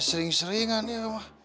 sering seringan ya mah